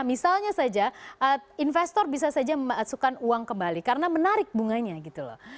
misalnya saja investor bisa saja memasukkan uang kembali karena menarik bunganya gitu loh